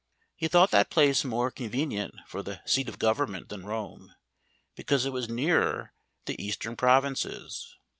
He thought that place more convenient for the seat of government than Rome, because it was nearer the eastern provinces.